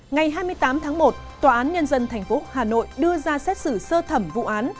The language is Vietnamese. ngày hai mươi tám tháng một tòa án nhân dân tp hà nội đưa ra xét xử sơ thẩm vụ án